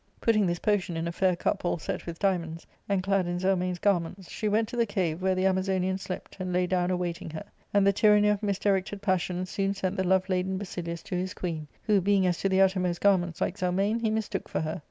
Putting this potion in a fair cup all set with diamonds, and clad in Zelmane's garments, she went to the cave where the Amazonian slept and lay down awaiting her ; and the tyranny of misdirected passion soon sent the love laden Basilius to his queen, who being as to the outermost garments like Zelmane, he mistook for her.